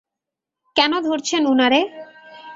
কেন ধরছেন উনারে?